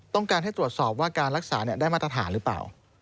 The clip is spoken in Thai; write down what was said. ต้องการให้ตรวจสอบว่าการรักษาได้มาตรฐานหรือเปล่า